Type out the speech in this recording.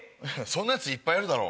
そんなヤツいっぱいいるだろ。